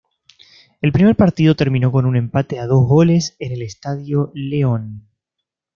El primer partido terminó con un empate a dos goles en el Estadio León.